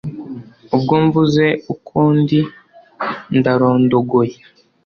ubwo mvuze uko ndi ndarondogoye